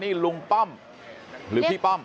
นี่ลุงป้อมหรือพี่ป้อม